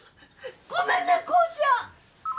ごめんね光ちゃん。